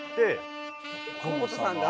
河本さんが？